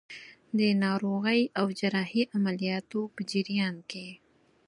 د ناروغۍ او جراحي عملیاتو په جریان کې.